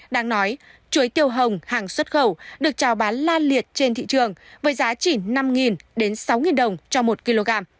đáng nói chuối tiêu hồng hàng xuất khẩu được trao bán lan liệt trên thị trường với giá chỉ năm đồng đến sáu đồng cho một kg